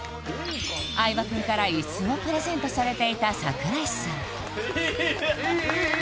相葉くんから椅子をプレゼントされていた櫻井さん・いい！